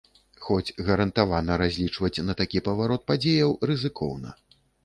Хоць гарантавана разлічваць на такі паварот падзеяў рызыкоўна.